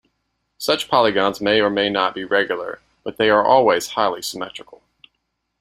Such polygons may or may not be regular but they are always highly symmetrical.